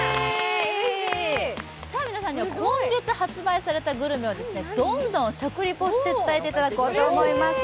皆さんには今月発売されたグルメをどんどん食リポして伝えていただこうと思います。